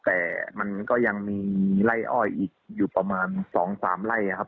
แต่มันก็ยังมีไล่อ้อยอีกอยู่ประมาณ๒๓ไร่ครับ